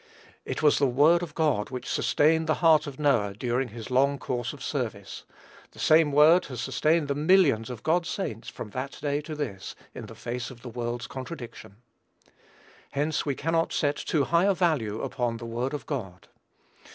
It was the word of God which sustained the heart of Noah during his long course of service; and the same word has sustained the millions of God's saints from that day to this, in the face of the world's contradiction. Hence, we cannot set too high a value upon the word of God.